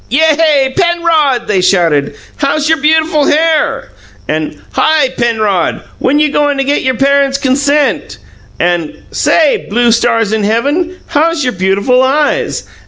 "Yay, Penrod!" they shouted. "How's your beautiful hair?" And, "Hi, Penrod! When you goin' to get your parents' consent?" And, "Say, blue stars in heaven, how's your beautiful eyes?"